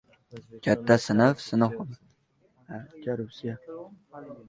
Katta sinf sinfxona to‘rini oladi.